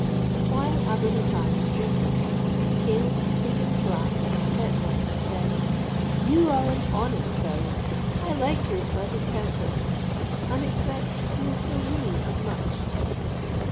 While Abou Hassan was drinking' the caliph taking the glass that was set for him, said, "You are an honest fellow; I like your pleasant temper, and expect you will fill me as much."